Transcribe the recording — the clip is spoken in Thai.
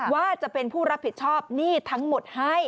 ว่าจะเป็นผู้รับผิดชอบหนี้ทั้งหมดให้